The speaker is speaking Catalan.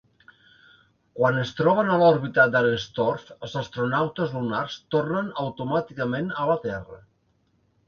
Quan es troben a l"òrbita d"Arenstorf, els astronautes lunars tornen automàticament a la Terra.